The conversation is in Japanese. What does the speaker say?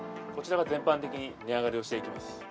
こちらが全般的に値上がりをしていきます。